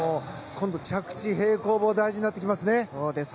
今度着地、平行棒大事になってきますね。